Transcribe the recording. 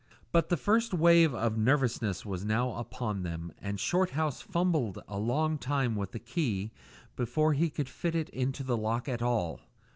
But the first wave of nervousness was now upon them, and Shorthouse fumbled a long time with the key before he could fit it into the lock at all.